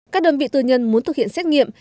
các đơn vị tư nhân muốn thực hiện xét nghiệm